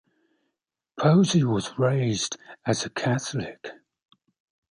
Posey was raised as a Catholic.